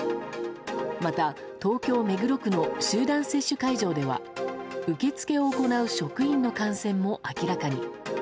また東京・目黒区の集団接種会場では受付を行う職員の感染も明らかに。